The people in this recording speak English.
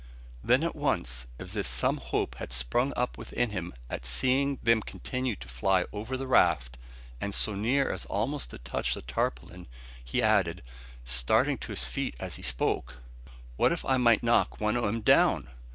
Then at once, as if some hope had sprung up within him at seeing them continue to fly over the raft, and so near as almost to touch the tarpaulin, he added, starting to his feet as he spoke "What if I might knock one o' 'em down!